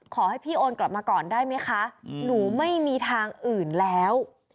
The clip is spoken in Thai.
ขอให้พี่โอนกลับมาก่อนได้ไหมคะหนูไม่มีทางอื่นแล้ว